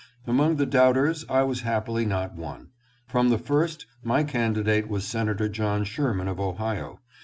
Among the doubters I was happily not one. From the first my candidate was Senator John Sherman of Ohio.